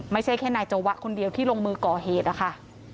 ไม่ใช่แค่นายจวะคนเดียวที่ลงมือก่อเหตุนะคะ